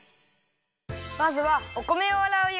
まずはお米をあらうよ。